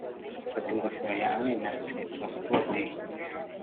fata ingofero yawe na stethoscope